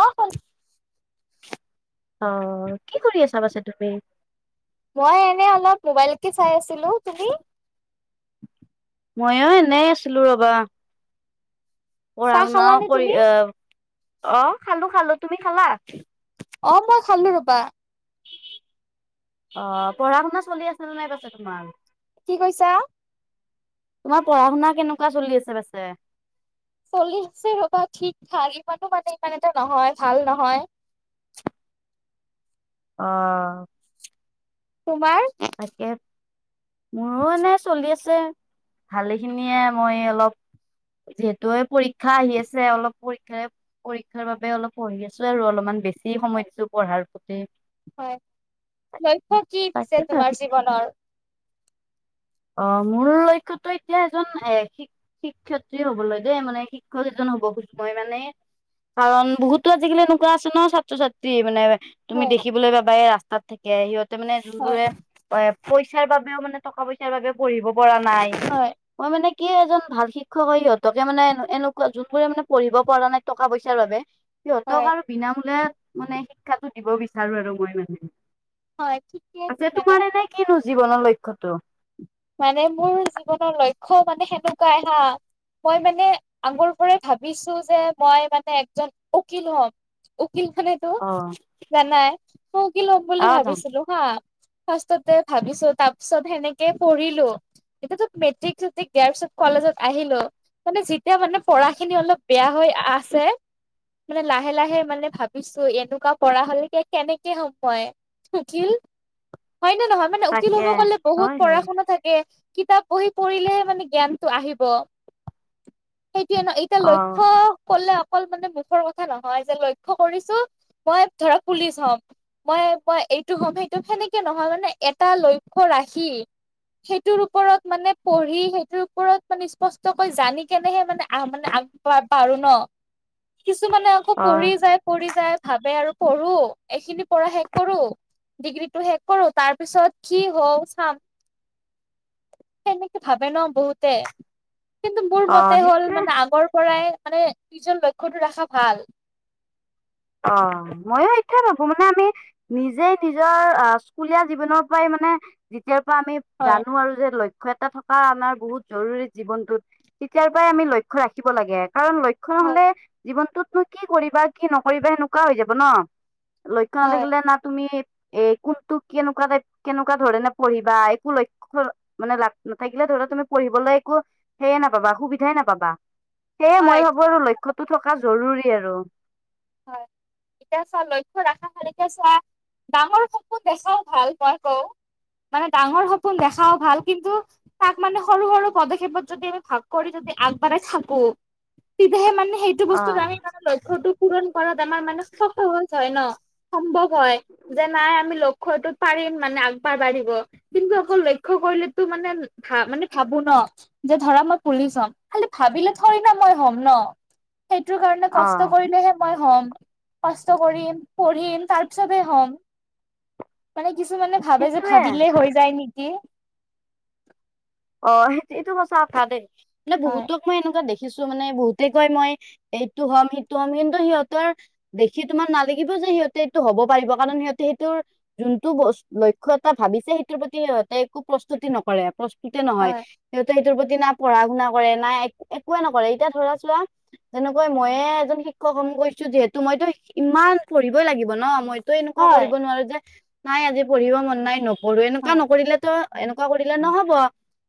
অ' শুন অ', কি কৰি আছা পাছে তুমি? মই এনে অলপ মোবাইলকে চাই আছিলোঁ, তুমি? মইও এনেই আছিলো ৰ'বা। পঢ়া চাহ শুনাও খালানে কৰি তুমি অ', অ', খালোঁ, খালোঁ তুমি খালা? অ', মই খালোঁ ৰ'বা। অ', পঢ়া শুনা চলি আছেনে নাই পাছে তোমাৰ? কি কৈছা? তোমাৰ পঢ়া শুনা কেনেকুৱা চলি আছে পাছে? চলি আছে ৰ'বা ঠিক ঠাক, ইমানো মানে ইমান এটা নহয় ভাল নহয়। অ'। তোমাৰ? তাকে, মোৰো এনে চলি আছে, ভালেখিনিয়ে মই অলপ। যিহেতু এই পৰীক্ষা আহি আছে, অলপ পৰীক্ষাৰে পৰীক্ষাৰ বাবে অলপ পঢ়ি আছোঁ আৰু অলপমান বেছি সময় দিছোঁ পঢ়াৰ প্ৰতি। হয় লক্ষ্য কি পিছে তাকে ভাবি তোমাৰ জীৱনৰ? অ', মোৰ লক্ষ্যটো এতিয়া এজন এ শিক শিক্ষয়িত্ৰী হ'বলৈ দেই, মানে শিক্ষক এজন হ'ব খুজো মই মানে। কাৰণ বহুতো আজিকালি এনেকুৱা আছে নহ ছাত্ৰ ছাত্ৰী, মানে। তুমি হয় দেখিবলৈ পাবা এই ৰাস্তাত থাকে, সিহঁতে মানে হয় যোনবোৰে এ পইচাৰ বাবেও মানে টকা পইচ সেইবাবে বাবে পঢ়িব পৰা নাই। হয়। মই মানে কি এজন ভাল শিক্ষক হৈ সিহঁতকে মানে এনে-এনেকুৱা যোনবোৰে মানে পঢ়িব পৰা নাই টকা পইচাৰ বাবে। সিহঁতক হয় আৰু বিনামূলীয়াত মানে শিক্ষাটো দিব বিচাৰোঁ আৰু মই মানে। হয় ঠিকে আছে, তেনে তোমাৰ এনে কিনো জীৱনৰ লক্ষ্যটো? মানে মোৰ জীৱনৰ লক্ষ্য মানে সেনেকুৱাই হা। মই মানে আগৰ পৰাই ভাবিছোঁ যে মই মানে একজন উকীল হ'ম। উকীল। [unintelligible] অ'। জানাই, মই উকীল হ'ম বুলি অ যা ভাবিছিলো। হা, ফাৰ্ষ্টতে ভাবিছোঁ, তাৰ পিছত সেনেকেই পঢ়িলোঁ। এতিয়াতো মেট্ৰিক-চেট্ৰিক দিয়াৰ পিছত কলেজত আহিলোঁ। মানে যেতিয়া মানে পঢ়াখিনি অলপ বেয়া হৈ আ-আছে। মানে লাহে লাহে মানে ভাবিছোঁ এনেকুৱা কৰা হ'লে কে-কেনেকে হ'ম মই। উকীল, হয়নে নহয় মানে উকীল তাকে হ'ব গ'লে হয় বহুত। হয় [unintelligible] থাকে, কিতাপ বহী পঢ়িলেহে মানে জ্ঞানটো আহিব, সেইটোৱে নহ। অ [unintelligible] লক্ষ্য ক'লে অকল মানে মুখৰ কথা নহয় যে লক্ষ্য কৰিছোঁ মই ধৰা পুলিচ হ'ম। মই, মই এইটো হ'ম, সেইটো সেনেকে নহয় মানে এটা লক্ষ্য ৰাখি। সেইটোৰ ওপৰত মানে পঢ়ি, সেইটোৰ ওপৰত মানে স্পষ্টকৈ জানি কেনেহে মানে আহ মানে আগ পা-পাৰোঁ নহ কিছুমানে আকৌ অ পঢ়ি যায় পঢ়ি যায়। ভাৱে আৰু পঢ়ো এইখিনি পঢ়া শেষ কৰোঁ। ডিগ্ৰীটো শেষ কৰোঁ তাৰ পিছত কি হওঁ চাম। সেনেকে ভাবে নহ বহুতে কিন্তু মোৰ অ মতে হ'ল সেইটোয়ে মানে আগৰ পৰাই মানে। নিজৰ লক্ষ্যটো ৰাখা ভাল। অ মইও [unintelligible] মানে আমি। নিজেই নিজৰ স্কুলীয়া জীৱনৰ পৰাই মানে যেতিয়াৰ পৰা আমি। হয়। জানো আৰু যে লক্ষ্য এটা থক কা আমাৰ বহুত জৰুৰী জীৱনটোত, তেতিয়াৰ পৰাই আমি লক্ষ্য ৰাখিব লাগে। কাৰণ লক্ষ্য হয় নহলে জীৱনটোত নু কি কৰিবা কি নকৰিবা সেনেকুৱা হৈ যাব ন। লক্ষ্য হয় নাথাকিলে না তুমি এ কোন তোক কেনেকুৱা টাইপ কেনেকুৱা ধৰণে পঢ়িবা একো ল মানে লাভ নাথাকিলে ধৰা তুমি পঢ়িবলৈ একো সেয়ে নাপাবা সুবিধাই নাপাবা। সেয়ে হয়, মই ভাবো আৰু লক্ষ্যটো থকা জৰুৰী আৰু। হয় এতিয়া চোৱা লক্ষ্য ৰাখা [unintelligible] চোৱা ডাঙৰ সপোন দেখাও ভাল মই কওঁ মানে ডাঙৰ সপোন দেখাও ভাল কিন্তু তাক মানে সৰু-সৰু পদক্ষেপত যদি আমি ভাগ কৰি যদি আগবাঢ়াই থাকো, তেতিয়াহে মানে সেইটো অ বস্তুত আমি মানে লক্ষ্যটো পূৰণ কৰাত আমাৰ মানে [unintelligible] হয় ন। সম্ভৱ হয় যে নাই আমি লক্ষ্যটোত পাৰিম মানে আগবা বাঢ়িব। কিন্তু অকল লক্ষ্য কৰিলেতো মানে ভ মানে ভাবো ন। যে ধৰা মই পুলিচ হম, খালি ভাবিলে ধৰি না মই হ'ম ন। সেইটোৰ কাৰণে অ কষ্ট কৰিলেহে মই হ'ম, কষ্ট কৰিম পঢ়িম তাৰ পিছতে হ'ম। মানে কিছুমানে ভাবে যে সেইটোয়ে ভাবিলে হৈ যায় নেকি। অঁ, সেইটো এইটো সচা দেই মানে হয় বহুতো মই এনেকুৱা দেখিছো মানে বহুতে কয় মই এইটো হ'ম সেইটো হম কিন্তু সিহঁতৰ দেখি তোমাৰ নালাগিব যে সিহঁতে এইটো হব পাৰিব কাৰণ সিহঁতে সেইটোৰ যোনটো লক্ষ্য এটা ভাবিছে সেইটোৰ প্ৰতি একো প্ৰস্তুতি নকৰে তে নহয়, হয় সিহঁতে সেইটোৰ প্ৰতি না পঢ়া-শুনা কৰে না এক একোৱে নকৰে এতিয়া ধৰা চোৱা তেনেকৈ মইয়ে এজন শিক্ষক কৈছো যিহেতু মইতো ইমান পঢ়িবই লাগিব ন মই ত এনেকুৱা হয় কৰিব নোৱাৰো যে নাই আজি পঢ়িব মন নাই নপঢ়ো এনেকুৱা হয় নকৰিলে তো এনেকুৱা কৰিলে নহব।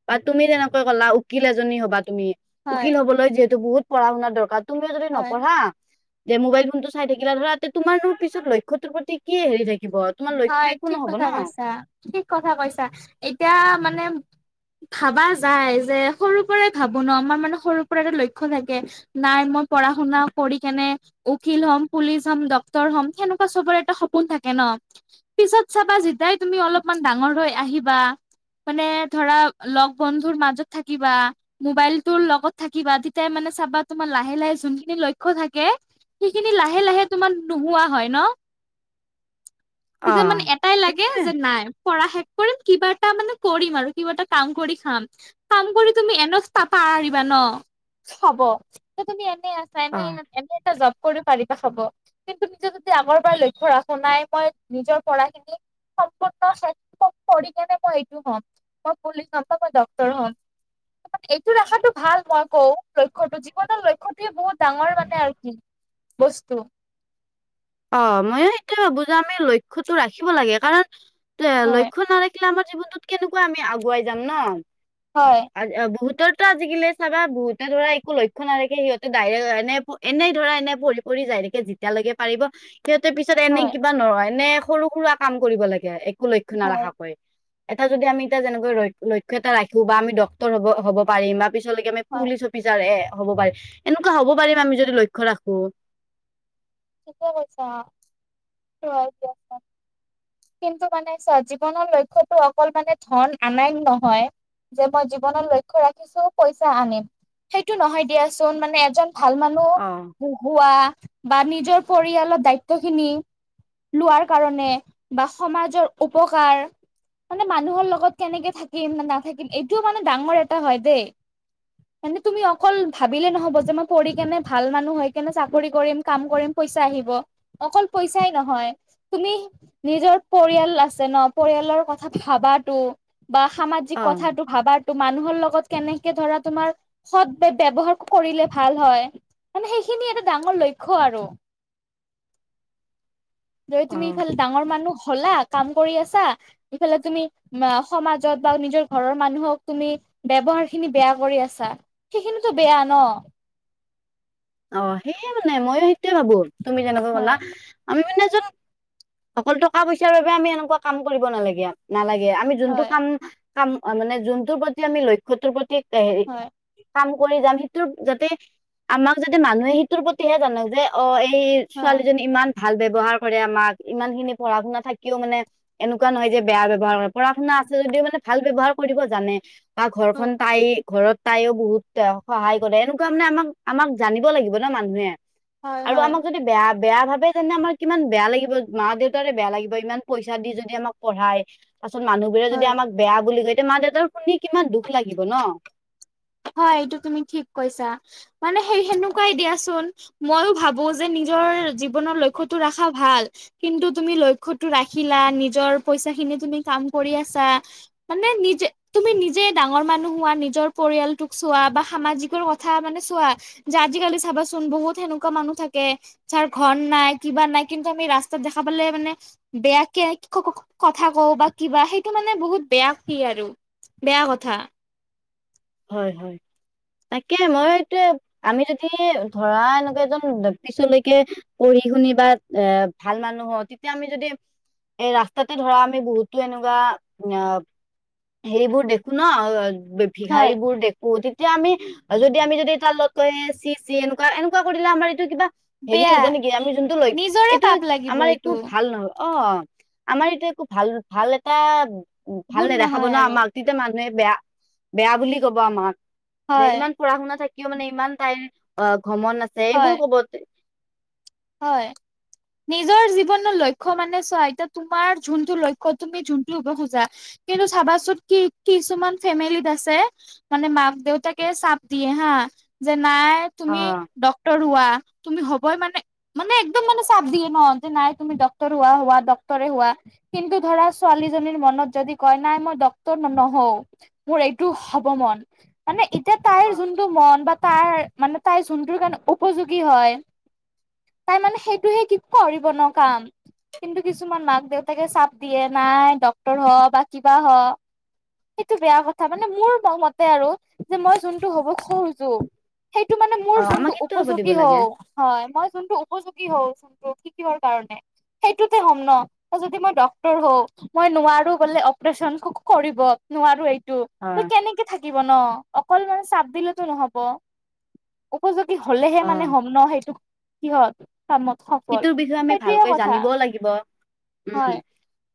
বা তুমি তেনেকৈ কলা উকিল এজনী হ'বা তুমি, হয় উকিল হবলৈ যিহেতু বহুত পঢ়া শুনাৰ দৰকাৰ। তুমিও যদি হয় নপঢ়া যে মোবাইল ফোনটো চাই থাকিলা ধৰাতে তোমাৰো পিছত লক্ষ্যটোৰ প্ৰতি কি হেৰি থাকিব। তোমাৰ লক্ষ্য হয় একো ঠিক নহ'ব ন কথা কৈছা, ঠিক কথা কৈছা, এতিয়া মানে ভাবা যায় যে সৰু পৰাই ভাবো ন আমাৰ মানে সৰু পৰা এটা লক্ষ্য থাকে। নাই মই পঢ়া-শুনা কৰি কেনে উখিল হ'ম, পুলিচ হম, ডক্তৰ হম, সেনেকুৱা চবৰে এটা সপোন থাকে ন। পিছত চাবা যেতাই তুমি অলপমান ডাঙৰ হৈ আহিবা মানে ধৰা লগ বন্ধুৰ মাজত থাকিবা মোবাইলটোৰ লগত থাকিবা তেতিয়াই মানে চাবা তোমাৰ লাহে-লাহে যোনখিনি লক্ষ্য থাকে। সেইখিনি লাহে-লাহে তোমাৰ নোহোৱা হয় ন? অ তেতিয়া মানে এটাই লাগে সেইটোয়ে যে নাই কৰা শেষ কৰিম কিবা এটা মানে কৰিম আৰু কিবা এটা কাম কৰি খাম। কাম কৰি তুমি এনছ পা পাৰিবা ন হব, তুমি এনে আছ চাই অ নাই এনে এটা জব কৰি পাৰিবা হব কিন্তু নিজে যদি আগৰ পৰা লক্ষ্য ৰাখো নাই মই নিজৰ পঢ়াখিনি সম্পূৰ্ণ [unintelligible] কৰি কেনে মই এইটো হ'ম মই পুলিচ হম বা মই ডক্টৰ হম। এইটো ৰখাটো ভাল মই কওঁ লক্ষ্যটো জীৱনৰ লক্ষ্যটোয়ে বহুত ডাঙৰ মানে আৰু কি বস্তু। অ ময় সেইটোয়ে ভাবো যে আমি লক্ষ্যটো ৰাখিব লাগে কাৰণ এ হয় লক্ষ্য নাৰাখিলে আমাৰ জীৱনটোত কেনেকুৱা আমি আগুৱাই যাম ন'? হয়। আ বহুতৰতো আজিকালি চাবা বহুতে ধৰা একো লক্ষ্য নাৰাখে সিহঁতে ডাইৰেক্ট এনে এনেই ধৰা এনেই পঢ়ি পঢ়ি যায় থাকে যেতিয়ালৈকে পাৰিব। সিহঁতেৰ পিছত এনে হয় কিবা নহয় এনে সৰু-সুৰা কাম কৰিব লাগে একো লক্ষ্য হয় নাৰাখাকৈ। এটা যদি আমি এতিয়া যেনেকৈ লক্ষ্য এটা ৰাখো বা আমি ডক্তৰ হ'ব হ'ব পাৰিম বা পিছলৈকে আমি হয় পুলিচ অফিচাৰ হ'ব পাৰি এনেকুৱ হ'ব পাৰিম আমি যদি লক্ষ্য ৰাখো। ঠিকে কৈছা [unintelligible] কিন্তু মানে চোৱা জীৱনৰ লক্ষ্যটো অকল মানে ধন আনাই নহয়। যে মই জীৱনত লক্ষ্য ৰাখিছো পইচা আনিম। সেইটো ন'হয়, দিয়াচোন মানে এজন ভাল মানুহ অ'। পহোৱা বা নিজৰ পৰিয়ালৰ দায়িত্ব খিনি লোৱাৰ কাৰণে বা সমাজৰ উপকাৰ মানে মানুহৰ লগত কেনেকে থাকিম, নে নাথাকিম এইটোও মানে ডাঙৰ এটা হয়, দেই। এনে তুমি অকল ভাবিলে ন'হব যে, মই পঢ়ি কেনে ভাল মানুহ হৈ কেনে চাকৰি কৰিম কাম কৰিম। পইচা আহিব অকল পইচাই ন'হয়, তুমি নিজৰ পৰিয়াল আছে ন' পৰিয়ালৰ কথা ভাবাতো বা সামাজিক অ কথাটো ভাবা টো মানুহৰ লগত কেনেকে ধৰা তোমাৰ সদ ব-ব্যয়ৱহাৰ কৰিলে ভাল হয়। মানে সেইখিনি এটা ডাঙৰ লক্ষ্য আৰু। যদি অ তুমি ইফালে ডাঙৰ মানুহ হ'লা কাম কৰি আছা। ইফালে তুমি অ', সমাজত বা নিজৰ ঘৰৰ মানুহক তুমি ব্যৱহাৰ খিনি বেয়া কৰি আছা সেইখিনিটো বেয়া ন'? অ', সেয় মানে মইও সেইটোৱে ভাবো তুমি যেনেকৈ ক'লা। হয় আমি মানে এজন অকল টকা-পইচাৰ বাবে আমি এনেকুৱা কাম কৰিব নালাগে নালাগে আমি যোনটো হয় কাম কাম মানে যোনটোৰ প্ৰতি আমি লক্ষ্য টোৰ প্ৰতি হেৰি হয় কাম কৰি যাম সেইটো, যাতে যদি মানুহে সিটোৰ প্ৰতিহে জানে যে অ', এই হা ছোৱালীজনী ইমান ভাল ব্যৱহাৰ কৰে আমাক, ইমান খিনি পঢ়া শুনা থাকিও মানে এনেকুৱা নহয় যে, বেয়া ব্যৱহাৰ কৰে। পঢ়া শুনা আছে যদিও মানে ভাল ব্যৱহাৰ কৰিব জানে বা ঘৰখন তাই ঘৰত তাইও বহুত সহায় কৰে, এনেকুৱা মানে আমাক আমাক জানিব লাগিব ন' মানুহে। হয় আৰু হয় আমাক যদি বেয়া বেয়া ভাবে তেন্তে আমাৰ কিমান বেয়া লাগিব মা দেউতাৰে বেয়া লাগিব ইমান পইচা দি যদি আমাক পঢ়ায়, পাছত মানুহবোৰে যদি হয় আমাক বেয়া বুলি কয় এতিয়া মা দেউতা শুনি কিমান দুখ লাগিব ন'? হয়, এইটো তুমি ঠিক কৈছা মানে সেই সেনেকুৱাই দিয়াচোন। ময়ো ভাবো যে, নিজৰ জীৱনৰ লক্ষ্যতটো ৰখা ভাল। কিন্তু তুমি লক্ষ্যটো ৰাখিলা নিজৰ পইচা খিনি তুমি কাম কৰি আছা। মানে নিজে তুমি নিজে ডাঙৰ মানুহ হোৱা নিজৰ পৰিয়াল তোক চোৱা বা সামাজিকৰ কথা মানে চোৱা যে, আজিকালি চাবাচোন বহুত সেনেকুৱা মানুহ থাকে। যাৰ ঘৰ নাই কিবা নাই কিন্তু আমি ৰাস্তাত দেখা পালে মানে বেয়াকে কথা কওঁ বা কিবা সেইটো মানে বহুত বেয়া কি আৰু। বেয়া কথা। হয়, হয়, তাকে মই এইটো আমি যদি ধৰা এনেকুৱা এজন পিছলৈকে পঢ়ি শুনি বা এ ভাল মানুহ হওঁ, তেতিয়া আমি যদি এই ৰাস্তাতে ধৰা আমি বহুতো এনেকুৱা হেৰিবোৰ দেখোঁ ন' হয় ভিক্ষাৰীবোৰ দেখোঁ। অহ, তেতিয়া আমি, যদি আমি যদি তাৰলগত কয় চি চি এনেকুৱা, এনেকুৱা কৰিলে আমাৰ এইটো কিবা হেৰি হ'ব বেয়া নেকি আমি যোনটো লৈ, নিজৰে এইটো পাপ লাগিব আমাৰ এইটো, একো ভাল নহয় অহ। আমাৰ এতিয়া একো ভাল-ভাল এটা গুণ ভাল নেদেখাব নহয় ন' আৰু আমাক তেতিয়া মানুহে বেয়া বেয়া বুলি ক'ব আমাক। যে হয়, ইমান পঢ়া-শুনা থাকিও মানে ইমান তাইৰ অহ, ঘমন আছে। যে এইবোৰ হয়, ক'ব। হয়। নিজৰ জীৱনৰ লক্ষ্য মানে চোৱা, এতিয়া তোমাৰ যোনটো লক্ষ্য তুমি যোনটো হ'ব খোজা। কিন্তু চাবাচোন কি-কিছুমান ফেমিলিত আছে। মানে মাক-দেউতাকে চাপ দিয়ে হা, যে নাই তুমি অ ডক্তৰ হোৱা। তুমি হ'বই মানে মানে একদম মানে চাপ দিয়ে ন' যে নাই তুমি ডক্টৰ হোৱা-হোৱা ডক্টৰে হোৱা। কিন্তু ধৰা ছোৱালীজনীৰ মনত যদি কয়, নাই মই ডক্টৰ ন-নহওঁ। মোৰ এইটো হ'ব মন মানে এতিয়া তাইৰ যোনটো মন বা তাইৰ মানে তাইৰ যোনটোৰ কাৰণে উপযোগী হয়। তাই মানে সেইটোহে কি কৰিব ন' কাম। কিন্তু কিছুমান মাক-দেউতাকে চাপ দিয়ে নাই ডক্তৰ হও বা কিবা হও। সেইটো বেয়া কথা মানে মোৰ মতে আৰু যে মই যোনটো হ'ব খুজোঁ। সেইটো মানে অ মোৰ আমাক যোনটো সেইটো হ'ব দিব উপযোগী লাগে হওঁ, হয় মই যোনটো উপযোগী হওঁ, যোনটো শিকিবৰ কাৰণে। সেইটোতে হ'ম ন' যদি মই ড্ ক্তৰ হওঁ। মই নোৱাৰো বোলে অপৰেচন ক-কৰিব। নোৱাৰো এইটো অ ত' কেনেকে থাকিব ন'। অকল মানে চাপ দিলেতো নহ'ব। উপযোগী হলেহে অ মানে হ'ম ন'। সেইটো কিহত কামত। সফল সেইটোৰ বিষয়ে আমি সেইটোয়ে ভালকৈ কথা জানিবও লাগিব উম। হয়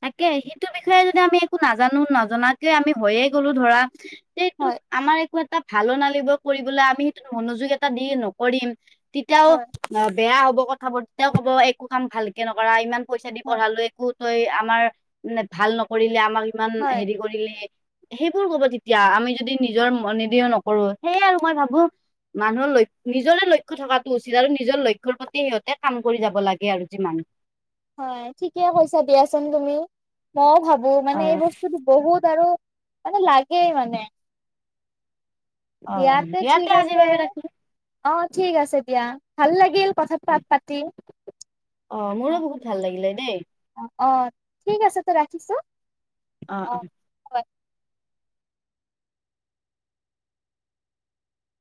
তাকে সেইটো বিষয়ে যদি আমি একো নাজানোঁ, নজনাকে আমি হৈয়ে গলোঁ ধৰা। তে সেইটোত হয় আমাৰ একো এটা ভাল নালাগিব, কৰিবলৈ আমি সেইটো মনোযোগ এটা দি নকৰিম। তেতিয়াও হয় অহ, বেয়া হ'ব কথাবোৰ তেতিয়াও ক'ব একো কাম ভালকে নকৰা। ইমান পইচা দি হয় পঢ়ালো একো তই আমাৰ ভাল নকৰিলে, আমাক ইমান হয় হেৰি কৰিলি। সেইবোৰ ক'ব তেতিয়া আমি যদি নিজৰ মনে দিওঁ নকৰোঁ, সেয়ে আৰু মই ভাবোঁ। মানুহৰ লক্ষ্য, নিজৰে লক্ষ্য থকাটো উচিত আৰু নিজৰ লক্ষ্যৰ প্ৰতি সিহঁতে কাম কৰি যাব লাগে আৰু যিমান। হয়, ঠিকে কৈছা দিয়াচোন তুমি। মইও ভাবোঁ মানে এই অ' বস্তুটো বহুত আৰু মানে লাগেই মানে। অ' দিয়াতে দিয়া তে ঠিক আজিৰ আছে। বাবে ৰাখিছো অহ, ঠিক আছে দিয়া। ভাল লাগিল কথা পা-পাতি। অহ, মোৰো বহুত ভাল লাগিলে দেই। অহ', অহ' ঠিক আছে তে ৰাখিছোঁ। অহ', অহ'।